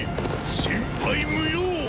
心配無用！